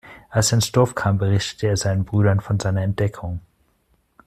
Als er ins Dorf kam berichtete er seinen Brüdern von seiner Entdeckung.